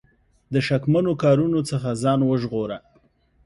د شکمنو کارونو څخه ځان وژغوره.